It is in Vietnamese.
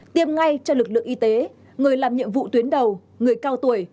tiêm ngay cho lực lượng y tế người làm nhiệm vụ tuyến đầu người cao tuổi